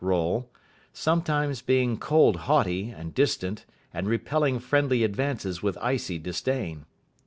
role, sometimes being cold haughty, and distant, and repelling friendly advances with icy disdain.